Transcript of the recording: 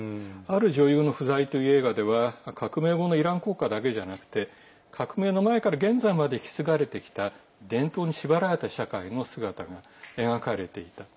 「ある女優の不在」という映画では革命後のイラン国家だけじゃなくて革命前から引き継がれてきた伝統に縛られた社会の姿が描かれていた。